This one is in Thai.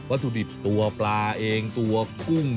วัตถุดิบตัวปลาตัวกุ้ง